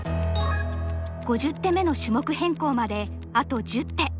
５０手目の種目変更まであと１０手。